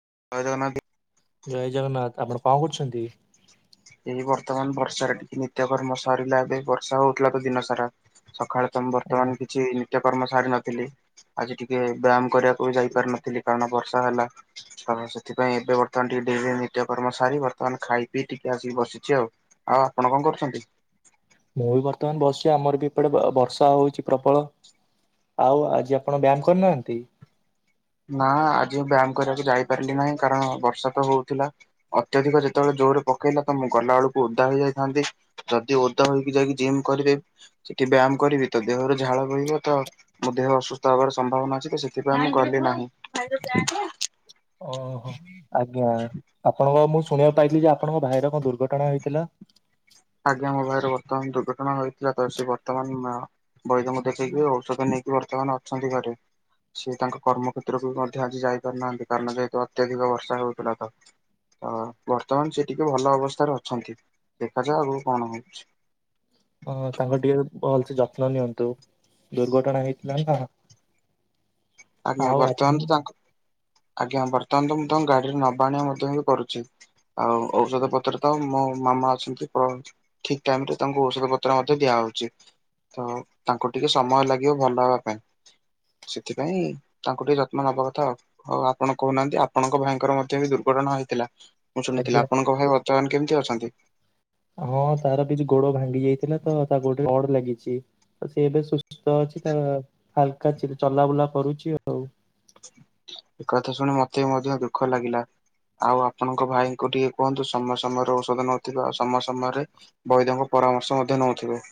[unintelligible] ଜୟ ଜଗନ୍ନାଥ, ଆପଣ କଣ କରୁଛନ୍ତି? ଏଇ ବର୍ତ୍ତମାନ ବର୍ଷାରେ ଟିକେ ନିତ୍ୟକର୍ମ ସରିଲା ଏବେ ବର୍ଷା ହଉଥିଲା ତ ଦିନ ସାରା। ସକାଳେ ତ ମୁ ଓହୋ ବର୍ତ୍ତମାନ କିଛି ନିତ୍ୟ କର୍ମ ସାରି ନଥିଲି। ଆଜି ଟିକେ ବ୍ୟାୟାମ କରିବାକୁ ବି ଯାଇପାର ନଥିଲି। କାରଣ ବର୍ଷା ହେଲା ତ ସେଥିପାଇଁ ଏବେ ବର୍ତ୍ତମାନି ଟି ଜିଲ୍ଲାରେ ଟିକେ ଡେ ନିତ୍ୟ କର୍ମଚାରୀ ବର୍ତ୍ତମାନ ଖାଇ ପିଇ ଟିକେ ଏ ଆସିକି ବସିଛି ଆଉ। ଆଉ ଆପଣ କଣ କରୁଛନ୍ତି? ମୁଁ ବି ବର୍ତ୍ତମାନ ବସିଛି ଆମର ବି ଏପଟେ ବ ବର୍ଷା ହଉଛି ପ୍ରବଳ। ଆଉ ଆଜି ଆପଣ ବ୍ୟାୟାମ କରିନାହାନ୍ତି? ନା ଆଜି ବ୍ୟାୟାମ କୁ ଯାଇ ପାରିଲି ନାହିଁ କାରଣ ବର୍ଷା ତ ହଉଥିଲା ଅତ୍ୟଧିକ ଯେତେବେଳେ ଜୋରରେ ପକେଇଲା ତ ମୁଁ ଗଲା ବବେଳକୁ ଓଦା ହେଯାଇଥାନ୍ତି। ଯଦି ଓଦା ହେକି ଯାଇକି ଜିମ କରିବେ ସେି ବ୍ୟାୟାମ କରିବେ ତ ଦେହରେ ଝାଳ ଖରାପ୍ ହେଇଯିବ ତ ମୋ ଦେହ ଅସୁସ୍ଥ ହବାର ସମ୍ଭାବନା ଅଛି ତ ସେଥିପାଇଁ ମୁଁ ଗଲି ନାହିଁ। ଓହୋ ଆଜ୍ଞା ଆପଣଙ୍କ ମୁଁ ଶୁଣିବାକୁ ପାଇଥିଲି ଯେ ଆପଣଙ୍କ ଭାଇର କଣ ଦୁର୍ଘଟଣା ହେଇଥିଲା? ଆଜ୍ଞା ମୋ ଭାଇରେ ବର୍ତ୍ତମାନ ଦୁର୍ଘଟଣା ହୋଇଥିଲା ତ ସେ ବର୍ତ୍ତମାନ ବୈଦଙ୍କୁ ଦେଖେଇକି ଔଷଧ ନେଇକି ବର୍ତ୍ତମାନ ଅଛନ୍ତି ଘରେ ସେ ତାଙ୍କ କର୍ମକ୍ଷେତ୍ରକୁ ବି ମଧ୍ୟ ଆଜି ଯାଇପାରୁିନାହାନ୍ତି। କାରଣ ଯେହେତୁ ଅତ୍ୟଧିକ ବର୍ଷା ହେଉଥିଲା ତ ତ ବର୍ତ୍ତମାନ ସେ ଟିକେ ଭଲ ଅବସ୍ଥାରେ ଅଛନ୍ତି। ଦେଖାଯା ଆଗକୁ କଣ ହଉଛି? ହଁ ତାଙ୍କ ଟିକେ ଭଲସେ ଯତ୍ନ ନିଅନ୍ତୁ ଦୁର୍ଘଟଣା ହେଇଥିଲା ନା। ଆଜ୍ଞା ଆଉ ବର୍ତ୍ତମାନ ଆପଣ ତ ତାଙ୍କୁ ଆଜ୍ଞା ବର୍ତ୍ତମାନ ତ ମୁ ତାଙ୍କୁ ଗାଡିରେ ନବା ଆଣିବା ମଧ୍ୟ ବି କରୁଛି। ଆଉ ଔଷଧ ପତ୍ର ତ ମୋ ମାମା ଅଛନ୍ତି ଠିକ ଟାଇମ ରେ ତାଙ୍କୁ ଔଷଧ ପତ୍ର ମଧ୍ୟ ଦିଆ ହବ। ତ ତାଙ୍କୁ ଟିକେ ସମୟ ଲାଗିବ ଭଲ ହେବା ପାଇଁ ସେଥିପାଇଁ ପାଇଁ ତାଙ୍କୁ ଟିକେ ଯତ୍ନ ନବା କଥାଉ ହଉ ଆପଣ କହୁନାହାନ୍ତି ଆପଣଙ୍କ ଭାଇଙ୍କର ମଧ୍ୟ ବି ଦୁର୍ଘଟଣା ହେଇଥିଲା। ମୁଁ ଶୁନଥିଲି ଆଜ୍ଞା ଆପଣଙ୍କ ଭାଇ ବର୍ତ୍ତମାନ କେମିତି ଅଛନ୍ତି? ହଁ ତାର ବି ଗୋଡ ଭାଙ୍ଗି ଯାଇଥିଲା ତ ତା ଗୋଡରେ ରଡ୍ ଲାଗିଛି ସିଏ ଏବେ ସୁସ୍ଥ ଅଛି ତା ହାଲକା ଚ ଚଲାବୁଲା କରୁଛି ଆଉ। ଏ କଥା ଶୁଣି ମୋତେ ମଧ୍ୟ ଦୁଃଖ ଲାଗିଲା। ଆଉ ଆପଣଙ୍କ ଭାଇଙ୍କୁ ଟିକେ କୁହନ୍ତୁ ସମୟ ସମୟରେ ଔଷଧ ନଉଥିବ ଆଉ ସମୟ ସମୟରେ ବୈଦଙ୍କ ପରାମର୍ଶ ମଧ୍ୟ ନେଉଥିବେ।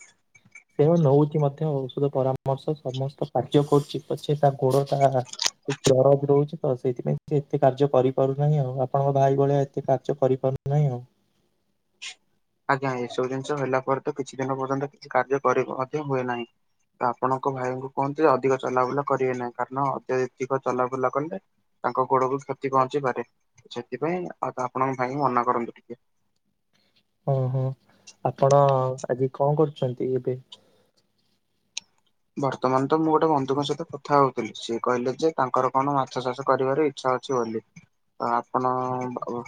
ସେ ନଉଛି ମଧ୍ୟ ଔଷଧ ପରାମର୍ଶ ସମସ୍ତ କାର୍ଯ୍ୟ କରୁଛି ପଛେ ତା ଗୋଡ ଟା ଦରଜ ରହୁଛି ତ ସେଇଥିପାଇଁ ସେ ଏତେ କାର୍ଯ୍ୟ କରିପାରୁନାହିଁ ଆଉ ଆପଣଙ୍କ ଭାଇ ଭଳିଆ ଏତେ କାର୍ଯ୍ୟ କରିପାରୁ ନାଇ ହଉ। ଆଜ୍ଞା ଏସବୁ ଜିନିଷ ହେଲା ପରେ ତ କିଛି ଦିନ ପର୍ଯ୍ୟନ୍ତ କିଛି କାର୍ଯ୍ୟ କରି ମଧ୍ୟ ହୁଏ ନାହିଁ। ତ ଆପଣଙ୍କ ଭାଇଙ୍କୁ କୁହନ୍ତିୁ ଯେ ଅଧିକ ଚଲାବୁଲା କରିବେ ନାହିଁ କାରଣ ଅତ୍ୟଧିକ ଚଲାବୁଲା କଲେ ତାଙ୍କ ଗୋଡକୁ କ୍ଷତି ପହଞ୍ଚି ପାରେ ସେଥିପାଇଁ ଆଉ ଆପଣଙ୍କ ଭାଇ ମନା କରନ୍ତୁ ଟିକେ। ହଁ ହଁ ଆପଣ ଆଜି କଣ କରୁଛନ୍ତି ଏବେ? ବର୍ତମାନ ତ ମୁଁ ଗୋଟେ ବନ୍ଧୁଙ୍କ ସହିତ କଥା ହଉଥିଲି ସିଏ କହିଲେ ଯେ ତାଙ୍କର କଣ ମାଛ ଚାଷ କରିବାର ଇଚ୍ଛା। ହଉଚି ବୋଲି ଆପଣ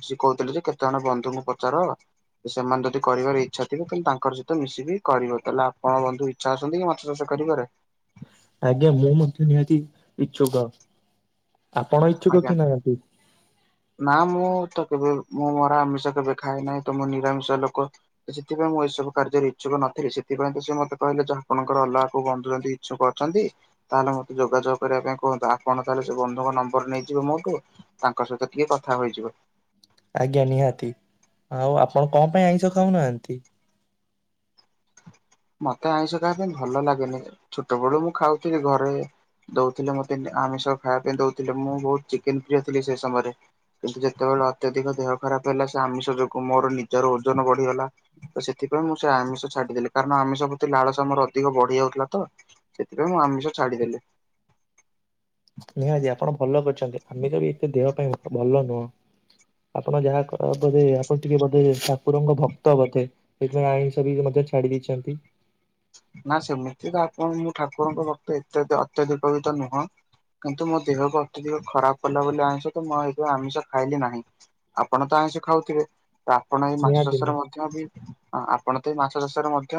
ସେ କହୁଥିଲେ ଯେ କେତେ ଜଣ ବନ୍ଧୁଙ୍କୁ ପଚାର ସେମାନେ ଯଦି କରିବାର ଇଚ୍ଛା ଥିବ ତାହେଲେ ତାଙ୍କର ସହିତ ମିଶିକି କରିବ ତାହେଲେ ଆପଣ ଙ୍କ ବନ୍ଧୁ ଇଚ୍ଛା ଅଛନ୍ତି କି ମ ମାଛଚାଷ କରିବାରେ। ଆଜ୍ଞା ମୁଁ ମଧ୍ୟ ନିହାତି ଇଛୁକ। ଆପଣ ଇଚ୍ଛୁକ ଆଜ୍ଞା। କି ନାହିଁ ଆଗେ? ନା ମୁଁ ତ କେବେ ମୁଁ ମୋର ଆମିଷ କେବେ ଖାଏ ନାହିଁ। ତ ମୁଁ ନିରାମିଷ ଲୋକ ତ ସେଥିପାଇଁ ମୁଁ ଏସବୁ କାର୍ଯ୍ୟରେ ଇଛୁକ ନ ସେଥିପାଇଁ ତ ସେ ମୋତେ କହିଁଲେ ଯ ଆପଣଙ୍କର ଅଲଗାକୁ ବନ୍ଧୁଛନ୍ତି ଇଛୁଛନ୍ତି ତାହେଲେ ମତେ ଯୋଗାଯୋଗ କରି ବା ପାଇଁ କୁହନ୍ତୁ ଆପଣ ତାହଲେ ସେ ବନ୍ଧୁଙ୍କ ନମ୍ବର ନେଇଯିବେ ମୋଠୁ ତାଙ୍କ ସହିତ ଟିକେ କଥା ହେଇଯିବ। ଆଜ୍ଞା ନିହାତି ଆଉ ଆପଣ କଣ ପାଇଁ ଆଇଁଷ ଖାଉନାହାନ୍ତି? ମତେ ଆଇଁଷ ଖାଇବା ପାଇଁ ଭଲ ଲାଗେନି। ଛୋଟ ବେଳୁ ମୁଁ ଖାଉଥିଲି ଘରେ। ଦଉଥିଲେ ମୋତେ ଆମିଷ ଖାଇବା ପାଇଁ ଦଉଥିଲେ ମୁଁ ବହୁତ ଚିକେନ ଫ୍ରିୟ ଥିଲି ସେ ସମୟରେ। କିନ୍ତୁ ଯେତେବେଳେ ଅତ୍ୟଧିକ ଦେହ ଖରାପ ହେଲା ସେ ଆମିଷ ଯୋଗୁଁ ମୋର ନିଜର ଓଜନ ବଢିଗଲା ତ ସେଥିପାଇଁ ମୁଁ ସେ ଆମିଷ ଛାଡ଼ିଦେଲି। କାରଣ, ଆମିଷ ପ୍ରତି ଲାଳସା ମୋର, ଅଧିକ ବଢି ଯାଉଥିଲା ତ। ସେଥିପାଇଁ, ମୁଁ ଆମିଷ ଛାଡିଦେଲି। ନିହାତି ।ଆପଣ ଭଲ କରିଛନ୍ତି ।ଆମେ ତ ବି ଦେହ ପାଇଁ ଭଲ ନୁହଁ। ଆପଣ ଯାହା ବଧେ, ଆପଣ ଟିକେ ବୋଧେ ଠାକୁରଙ୍କ ଭକ୍ତ ବୋଧେ। ସେଇଥିପାଇଁ ଆଇଁଷ ବି, ମଧ୍ୟ ଛାଡି ଦେଇଛନ୍ତି। ନା ସେମିତି ତ, ଆପଣ ମୁଁ ଠାକୁରଙ୍କ ଭକ୍ତ ଇତ୍ୟାଦି ଅତ୍ୟାଧିକତ ନୁହଁ। କିନ୍ତୁ, ମୋ ଦେହକୁ ଅତ୍ୟଧିକ ଖରାପ କଲା ବୋଲି ଆଇଁଷ ତ, ମୁଁ ଏଥି ଆମିଷ ଖାଇଲି ନାହିଁ। ଆପଣ ତ [unintelligible] ଖାଉଥିବେ। ତ ଆପଣ ଏଇ ମାଛ ନିହାତି ନୁ ଚାଷରେ ମଧ୍ୟ ବି, ଆପଣ ତ ଏଇ ମାଛ ଚାଷରେ ମଧ୍ୟ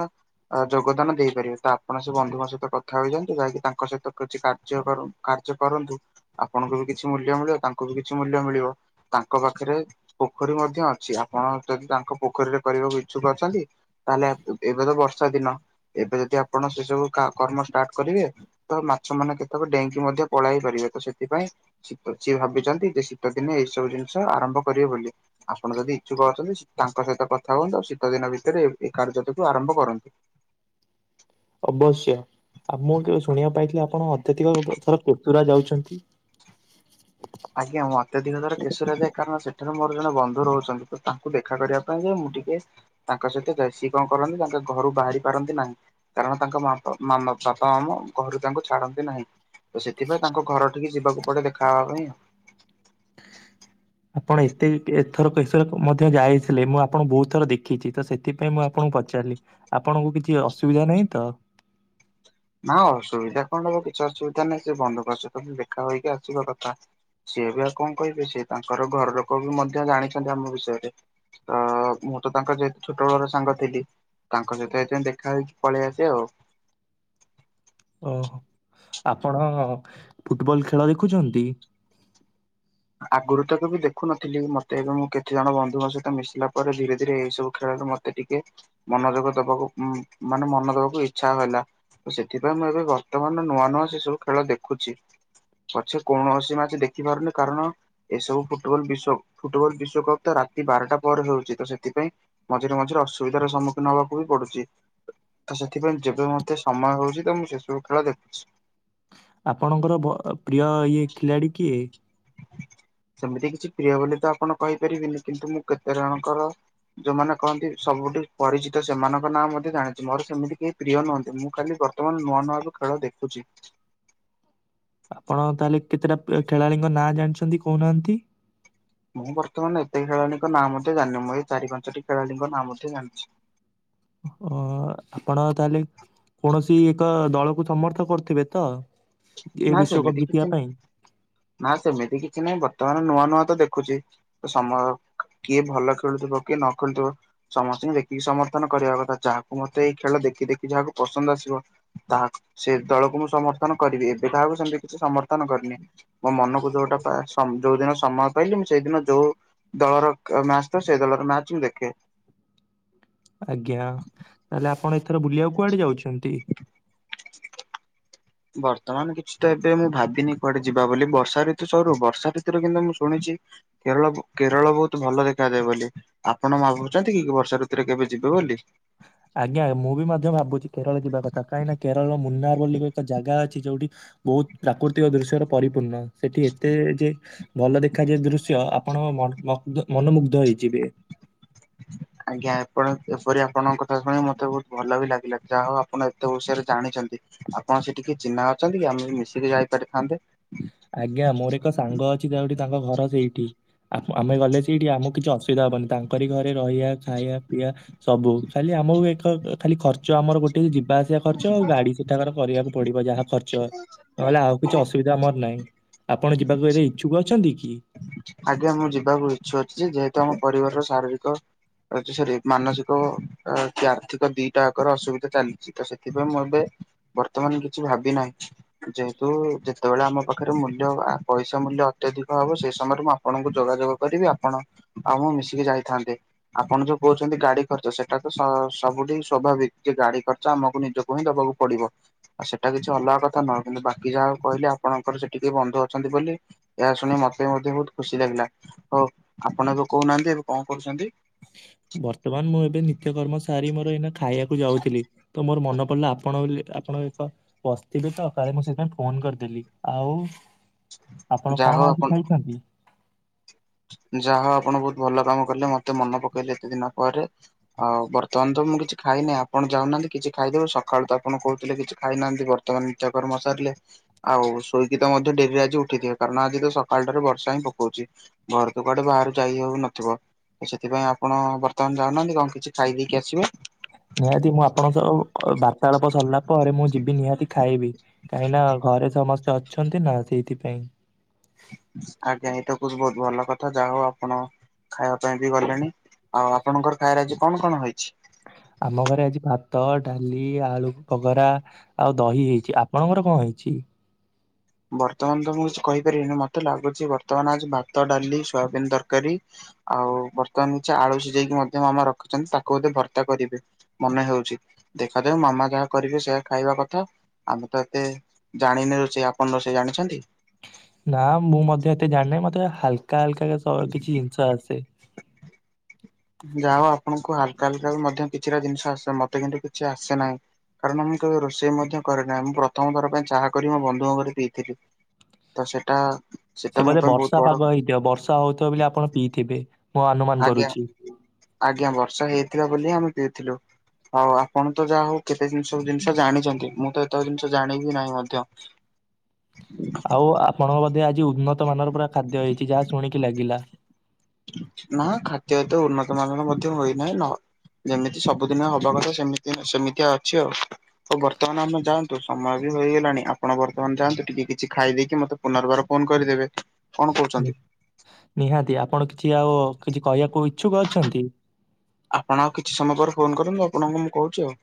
ଯୋଗଦାନ ଦେଇପାରିବେ। ତ ଆପଣ ସେ ବନ୍ଧୁଙ୍କ ସହିତ କଥା ହେଇଯାନ୍ତୁ । ଯାଇକି ତାଙ୍କ ସହିତ କିଛି କାର୍ଯ୍ୟ କାର୍ଯ୍ୟ ଆପଣଙ୍କୁ ବି କିଛି ମୂଲ୍ୟ ମିଳିବ। ତାଙ୍କୁ ବି କିଛି ମୂଲ୍ୟ ମିଳିବ। ତାଙ୍କ ପାଖରେ, ପୋଖରୀ ମଧ୍ୟ ଅଛି। ଆପଣ ଯଦି ତାଙ୍କ ପୋଖରୀରେ କରିବାକୁ ଇଛୁକ ଅଛନ୍ତି ।ତାହେଲେ, ଏବେ ତ ବର୍ଷା ଦିନ। ଏବେ ଯଦି ଆପଣ, ସେ ସବୁ କର୍ମ ଷ୍ଟାର୍ଟ କରିବେ। ତ ମାଛ ମାନେ କେତେବେଳେ ଡେଙ୍କି ମଧ୍ୟ ପଳେଇବେ। ସେଥିପାଇଁ। ସି ଭାବିଛନ୍ତି ଯେ ଶୀତ ଦିନେ ଏଇ ସବୁ ଜିନିଷ ଆରମ୍ଭ କରିବେ ବୋଲି। ଆପ ଆପଣ ଯଦି ଇଛୁକ ଅଛନ୍ତି ।ତାଙ୍କ ସହିତ କଥା ହୁଅନ୍ତୁ ।ଆଉ ଶୀତ ଦିନ ଭିତରେ ଏ କାର୍ଯ୍ୟଟାକୁୁ ଆରମ୍ଭ କରନ୍ତୁ। ଅବଶ୍ୟ। ଏତତିକ [unintelligible] ଯାଉଛନ୍ତି ଆଜ୍ଞା। ମୁଁ ଅତ୍ୟଧିକ ଥର କେଶରୀରେ ଯାଏ ।କାରଣ ସେଠାରୁ ମୋର ଜଣେ ବନ୍ଧୁ ରହୁଛନ୍ତି ।ତ ତାଙ୍କୁ ଦେଖା କରିବା [unintelligible] ତାଙ୍କ ସହିତ ବ। ସି କଣ କରନ୍ତି, ତାଙ୍କ ଘରୁ ବାହାରି ପାରନ୍ତି ନାହିଁ ।କାରଣ ତାଙ୍କପ ବାପା, ମାମ ଘରୁ ତାଙ୍କୁ ଛାଡନ୍ତି ନାହିଁ। ତ ସେଥିପାଇଁ ତାଙ୍କ ଘର ଟିକେ ଯିବାକୁ ପଡେ ଦେଖା ହେବା ପାଇଁ। ଆଉ ଆପଣ ଏତେ ଏଥର, କେଶର ମଧ୍ୟ ଯାଇଥିଲେ। ମୁଁ ଆପଣଙ୍କୁ ବହୁତ ଥର ଦେଖିଛି ।ତ ସେଥିପାଇଁ ମୁଁ ଆପଣଙ୍କୁ ପଚି ଚାଲି। ଆପଣଙ୍କୁ କିଛି ଅସୁବିଧା ନାହିଁ ତ। ନା ଅସୁବିଧା କଣ ହବ ।କିଛି ଅସୁବିଧା ନାହିଁ। ସେ ବନ୍ଧୁକ ସହିତ ଦେଖା ହୋଇକି ଆସିବ କଥା। ସିଏ ବି ଆଉ କଣ କହିବେ। ସେ ତାଙ୍କର ଘର ଲୋକ ବି ମଧ୍ୟ ଜାଣିଛନ୍ତି ଆମ ବିଷୟରେ। ତ ମୁଁ ତ ତାଙ୍କ, ଯେହେତୁ ଛୋଟବେଳ ସାଙ୍ଗ ଥିଲି। ତାଙ୍କ ସହିତ, ଏଦ ଦେଖା ହେଇକି ପଳେଇ ଆସେ ଆଉ। ଓ ।ଆପଣ ଫୁଟବଲ ଖେଳ ଦେଖୁଛନ୍ତି? ଆଗରୁ ତକୁ ବି ଦେଖୁନଥିଲି ।ମତେ ଏବେ, ମୁଁ କେତେ ଜଣ ବନ୍ଧୁଙ୍କ ସହିତ ମିଶିଲା ପରେ ।ଧୀରେ ଧୀରେ ଏ ସବୁ ଖେଳରେ ମତେ ମତେ ଟିକେ, ମନୋଯୋଗ ଦବାକୁ ମାନେ ମନ ଦବାକୁ ଇଛା ହେଲା। ଓ ।ସେଥିପାଇଁ, ମୁଁ ଏବେ ବର୍ତ୍ତମାନର ନୂଆ ନୂଆ ସେସବୁ ଖେଳ ଦେଖୁଛି। ପଛେ କୌଣସି ମାଛ ଦେଖି ପାରୁନି। କାରଣ ଏସବୁ ଫୁଟବଲ, ବିଶ୍ ଫୁଟବଲ ବିଶ୍ଵକପ୍ ତ ରାତି ବାରଟା ପରେ ହଉଛି। ତ ସେଥିପାଇଁ ମଝିରେ, ମଝିରେ, ଅସୁବିଧାର ସମ୍ମୁଖୀନ ହବାକୁ ବି ପଡୁଛି। ତ ସେଥିପାଇଁ, ଯେବେ ମୋତେ ସମୟ ହେଉଛି, ତ ମୁଁ ସେସବୁ ଖେଳ ଦେଖୁଛି। ଆପଣଙ୍କର ପ୍ରିୟ, ଇଏ ଖିଲାଡି କିଏ? ସେମିତି କିଛି ପ୍ରିୟ ବୋଲି ତ ଆପଣ କହିପାରିବିନି ।କିନ୍ତୁ ମୁଁ କେତେ ଜଣଙ୍କର ଯୋଉମାନେ କହନ୍ତି, ସବୁ ଗୋଟେ ପରିଚିତ ସେମାନଙ୍କ ନାଁ ମଧ୍ୟ ଜାଣିଛି ।ମୋ ସେମତି କେହି ପ୍ରିୟ ନୁହନ୍ତି। ମୁଁ ଖାଲି ବର୍ତ୍ତମାନ ନୂଆ ନୂଆ ବି ଖେଳ ଦେଖୁଛି। [inaudible] ତାହେଲେ କେତେଟା ଖେଳାଳିଙ୍କ ନାଁ ଜାଣିଛନ୍ତି, କହୁନାହାନ୍ତି? ମୁଁ ବର୍ତ୍ତମାନ ଏତେ ଖେଳାଳିଙ୍କ ନାଁ ମଧ୍ୟ ଜାଣିନି ।ମୁଁ ଏଇ ଚାରି ପାଞ୍ଚଟି ଖେଳାଳିଙ୍କ ନାଁ ମଧ୍ୟ ଜାଣିଛି। [inaudible] ଅ। ଆପଣ ତାହେଲେ, କୌଣସି ଏକ ଦଳକୁ ସମର୍ଥ କରୁଥିବେ ତ? ଏ ନା। ବିଶ୍ଵକପ୍ ସେମିତି ଜିତିବା କିଛି ପାଇଁ? ନା, ସେମିତି କିଛି ନାହିଁ। ବର୍ତ୍ତମାନ ନୂଆ ନୂଆ ତ ଦେଖୁଛି। ତ ସମୟ କିଏ ଭଲ ଖେଳୁଥିବ। କିଏ ନ ଖେଳୁଥିବ। ସମସ୍ତଙ୍କୁ ଦେଖିକି ସମର୍ଥନ କରିବା କଥା। ଯାହାକୁ ମତେ ଏଇ ଖେଳ ଦେ ଦେଖି ଦେଖି ଯାହାକୁ ପସନ୍ଦ ଆସିବ ।ତାହା ସେ ଦଳକୁ ମୁଁ ସମର୍ଥନ କରିବି। ଏବେ କାହାକୁ ସେମିତି କିଛି ସମର୍ଥନ କରିନି ।ମୋ ମନକୁ ଯୋଉଟା ଯୋଉ ଦିନ ସମୟ ପାଇଲିି, ମୁଁ ସେଇ ସେ ଦିନ, ଯୋଉ ଦଳର ମ୍ୟାଚ ଥା। ସେଇ ଦଳର ମ୍ୟାଚ ମୁଁ ଦେଖେ। [inaudible] ଆଜ୍ଞା ତାହେଲେ ଆପଣ ଏଥର ବୁଲିବାକୁ କୁଆଡେ ଯାଉଛନ୍ତି? ବର୍ତ୍ତମାନ କିଛି ତ ଏବେ ମୁଁ ଭାବିନି କୁଆଡେ ଯିବା ବୋଲି ବର୍ଷା ଋତୁ ସରୁ ବର୍ଷା ଋତୁରେ କିନ୍ତୁ ମୁଁ ଶୁଣିଛିି ଚି କେରଳ କେରଳ ବହୁତ ଭଲ ଦେଖାଯାଏ ବୋଲି ଆପଣ ମା ଭାବୁଛନ୍ତି କି ବର୍ଷା ଋତୁରେ କେବେ ଯି ବେ ବୋଲି। ଆଜ୍ଞା ମୁଁ ବି ମଧ୍ୟ ଭାବୁଛି କେରଳ ଯିବା କଥା କାହିଁକି ନା କେରଳର ମୁନାର ବୋଲି ଏକ ଜାଗା ଅ ଚି ଯୋଉଠି ବହୁତ ପ୍ରାକୃତିକ ଦୃଶ୍ୟର ପରିପୂର୍ଣ୍ଣ ସେଠି ଏତେ ଯେ ଭଲ ଦେଖାଯାଏ ଦୃ ୟ ଆପଣ ମ ମଗ୍ଧ ମନମୁଗ୍ଧ ହେଇଯିବେ। ପରି ଆପଣଙ୍କ କଥା ଶୁଣି ମତେ ବହୁତ ଭଲ ବି ଲାଗିଲା ଯାହା ହଉ ଆପଣ ଏତେ ବିଷୟରେ ଜାଣିଛନ୍ତି ଆପଣ ସେଠିକି ଚିହ୍ନା ଅଛନ୍ତି କି ଆମେ ମିଶିକି ଯାଇପାରିଥାନ୍ତେ। ଆଜ୍ଞା ମୋର ଏକ ସାଙ୍ଗ ଅଛି ଯେଉଁଠି ତାଙ୍କ ଘର ସେଇଠି ଶୁବିଧା ହବନି ତାଙ୍କରି ଘରେ ରହିବା ଖାଇବା ପିଇବା ସବୁ ଖାଲି ଆମକୁ ଏକ ଅ। ଖାଲି ଖର୍ଚ୍ଚ ଆମର ଗୋଟେ ହି ଯିବାଆସିବା ଖର୍ଚ୍ଚ ଆଉ ଗାଡି ସେଠାକାର କରିବାକୁ ପଡିବ ଯାହା ଖର୍ଚ। ନହେଲେ ଆଉ କିଛି ଅସୁବିଧା ଆମର ନାହିଁ ଆପଣ ଯିବାକୁ ଏରେ ଇଚ୍ଛୁକ ଅଛନ୍ତି କି? ଆଜ୍ଞା ମୁଁ ଯିବାକୁ ଇଚ୍ଛା ଅଛି ଯେହେତୁ ଆମ ପରିବାରର ଶାରୀରିକ। ଏ ଯଉ ସରି ମାନସିକ ଅ କି ଆର୍ଥିକ ଦିଟା ଆକର ଅସୁବିଧା ଚାଲିଛି ତ ସେଥିପାଇଁ ମୁଁ ଏବେ। ବର୍ତ୍ତମାନ କିଛି ଭାବି ନାହିଁ ଯେହେତୁ ଯେତେବେଳେ ଆମ ପାଖରେ ମୂଲ୍ୟ ଆ ପଇସା ମୂଲ୍ୟ ଅତ୍ୟଧିକ ହବ ସେ ସମୟରେ ମୁଁ ଆପଣଙ୍କୁ ଯୋଗାଯୋଗ କରିବି ଆପଣ ଆଉ ମୁଁ ମିଶିକି ଯାଇଥାନ୍ତେ ଆପଣ ଯୋଉ କହୁଛନ୍ତି ଗାଡି ଖ ଆଚ୍ଛା ସେଟା ତ ସ-ସବୁଠି ସ୍ୱଭାବିକ ଯେ ଗାଡି ଖର୍ଚ୍ଚ ଆମକୁ ନିଜକୁ ହିଁ ଦବାକୁ ପଡିବ ଆଉ ସେଟା କି କିଛି ଅଲଗା କଥା ନୁହଁ କିନ୍ତୁ ବାକି ଯାହା ଆଉ କହିଲେ ଆପଣଙ୍କର ସେଠି କିଏ ବନ୍ଧୁ ଅଛନ୍ତି ବୋଲି ଏହା ଶୁଣି ମ ମତେ ମଧ୍ୟ ବହୁତ ଖୁସି ଲାଗିଲା ହଉ ଆପଣ ଏବେ କହୁନାହାନ୍ତି ଏବେ କଣ କରୁଛନ୍ତି? ବର୍ତ୍ତମାନ ମୁଁ ଏବେ ନିତ୍ୟକର୍ମ ସାରି ମୋର ଏଇନା ଖାଇବାକୁ ଯାଉଥିଲି ତ ମୋର ମନେ ପଡିଲା ଆପଣ ବୋଲି ଆପଣ ଏକ ବସିଥିବେ ତ କାଳେ ମୁଁ ସେଥିପାଇଁ ଫୋନ କରିଦେଲି ଆଉ। ଆପଣ ଯାହା ହଉ କଣ ଆଜି ଆପଣ ଖାଇଛନ୍ତି? ହଁ ଯାହା ଆପଣ ବହୁତ ଭଲ କାମ କଲେ ମତେ ମନ ପକେଇଲେ ଏତେ ଦିନ ପରେ ଆଉ ବର୍ତ୍ତମାନ ତ ମୁଁ କିଛି ଖା ନାଇ ନାଇ ଆପଣ ଯାଉନାହାନ୍ତି କିଛି ଖାଇଦେବେ ସକାଳୁ ତ ଆପଣ କହୁଥିଲେ କିଛି ଖାଇନାହାନ୍ତି ବର୍ତ୍ତମାନ ନିତ୍ୟ କର୍ମ ସାରିଲେ। ଆଉ ଶୋଇକି ତ ମଧ୍ୟ ଡେରିରେ ଆଜି ଉଠିଥିବେ କାରଣ ଆଜି ତ ସକାଳ ଠାରୁ ବର୍ଷା ହିଁ ପକଉଛି। ଘରୁ ତ କୁଆଡେ ବାହାରୁ ଯାଇ ହଉ ନଥିବ। ସେଥିପାଇଁ ଆପଣ ବର୍ତ୍ତମାନ ଯାଉନାହାନ୍ତି କଣ କିଛି ଖାଇ ଦେଇକି ଆସିବେ। ନିହାତି ମୁଁ ଆପଣଙ୍କ ସହ ଅ ବାର୍ତ୍ତାଳାପ ସରିଲା ପରେ ମୁଁ ଯିବି ନିହାତି ଖାଇବି କାହିଁକି ନା ଘରେ ସମସ୍ତେ ଅଛନ୍ତି ନା ସେଇଥିପାଇଁ। ବହୁତ୍ ବହୁତ ଭଲ କଥା ଯାହା ହଉ ଆପଣ। ଖାଇବା ପାଇଁ ବି ଗଲେଣି। ଆଉ ଆପଣଙ୍କର ଖାଇବାରେ ଆଜି କଣ କଣ ହୋଇଛି? ଆମ ଘରେ ଆଜି ଭାତ, ଡାଲି ଇ ଆଳୁ ବଘରା ଆଉ ଦହି ହେଇଛି। ଆପଣଙ୍କର କଣ ହେଇଛି? ବର୍ତ୍ତମାନ ତ ମୁଁ କିଛି କହିପାରିବିନି ମତେ ଲାଗୁଛି ବର୍ତ୍ତମାନ ଆଜି ଭାତ, ଡାଲି, ସୋୟାବିନ୍ ତରକାରୀ। ଆଉ ବର୍ତ୍ତମାନ କିଛି ଆଳୁ ସିଝେଇକି ମଧ୍ୟ ମାମା ରଖିଛନ୍ତି ତାକୁ ବୋଧେ ଭର୍ତା କରିବେ ମନେ ହେଉଛି। ଦେଖାଯାଉ ମାମା ଯାହା କରିବେ ସେୟା ଖାଇବା କଥା ଆମେ ତ ଏତେ ଜାଣିନେ ରୋଷେଇ ଆ ଆପଣ ରୋଷେଇ ଜାଣିଛନ୍ତି? ନା ମୁଁ ମଧ୍ୟ ଏତେ ଜାଣିିନାହିଁ ମତେ ହାଲକା ହାଲକା କେ ସ କିଛି ଜିନିଷ ଆସେ। ଯାହା ଆପଣଙ୍କୁ ହାଲକା ହାଲକା ବି ମଧ୍ୟ କିଛିଟା ଜିନିଷ ଆସେ ମତେ କିନ୍ତୁ କିଛି ଆସେ ନାହିଁ। କାରଣ ମୁଁ କେବେ ରୋଷେଇ ମଧ୍ୟ କରେନାହିଁ ମୁଁ ପ୍ରଥମଥର ପାଇଁ ଚାହା କରି ମୋ ବନ୍ଧୁଙ୍କ ଘରେ ପିଇଥିଲି। ତ ସେଟା। ସେଟା ସେ ମୋ ବୋଧେ ପାଇଁ ବହୁତ ବର୍ଷା ବଡ ପାଗ ହେଇଥିବ ବର୍ଷା ହଉଥିବ ବୋଲି ଆପଣ ପିଇଥିବେ। ମୁଁ ଅନୁମାନ ଆଜ୍ଞା କରୁଛି। ଆଜ୍ଞା ବର୍ଷା ହେଇଥିବା ବୋଲି ଆମେ ପି ଥିଲୁ। ହଉ ଆପଣ ତ ଯାହା ହଉ କେତେ ଜିନିଷ ଜିନିଷ ଜାଣିଛନ୍ତି ମୁଁ ତ ଏତକ ଜିନିଷ ଜାଣିବି ନାହିଁ ମଧ୍ୟ। ଆଉ ଆ-ଆପଣଙ୍କ ବଧେ ଆଜି ଉନ୍ନତ ମାନର ପୁରା ଖାଦ୍ୟ ହେଇଛି ଯାହା ଶୁଣିକି ଲାଗିଲା? ନା ଖାଦ୍ୟ ଏତେ ଉନ୍ନତ ମାନର ମଧ୍ୟ ହୋଇନାହିଁ ନ ଯେମିତି ସବୁଦିନ ହବା କଥା ସେମିତି ସେମିତିଆ ଅଛି ଆଉ। ଆଉ ବର୍ତ୍ତମାନ ଆମେ ଯାଆନ୍ତୁ। ସମୟ ବି ହେଇଗଲାଣି ଆପଣ ବର୍ତ୍ତମାନ ଯାଆନ୍ତୁ ଟିକେ କିଛି ଖାଇ ଦେଇକି ମୋତେ ପୁନର୍ବାର ଫୋନ କରିଦେବେ। କଣ କହୁଛନ୍ତି ନିହାତି ଆପଣ କିଛି ଆଉ କିଛି କହିବାକୁ ଇଚ୍ଛୁକ ଅଛନ୍ତି। ଆପଣ ଆଉ କିଛି ସମୟ ପରେ ଫୋନ କରନ୍ତୁ। ଆପଣଙ୍କୁ ମୁଁ କହୁଛି ଆଉ।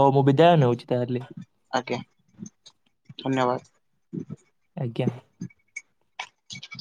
ହଉ ମୁଁ ବିଦାୟ ନେଉଛି ତାହେଲେ। ଆଜ୍ଞା ଧନ୍ୟବାଦ। ଆଜ୍ଞା। [inaudible]